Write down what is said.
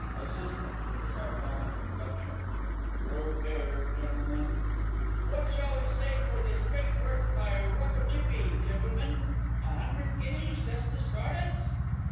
(ASSIST., with a sardonic inflection. "Group 'ere, Gen'lm'n!") What shall we say for this great work by Roccocippi, Gentlemen? A hundred guineas, just to start us?